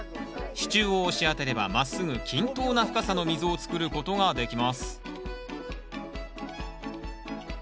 支柱を押し当てればまっすぐ均等な深さの溝を作ることができます